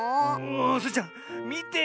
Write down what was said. スイちゃんみてよ。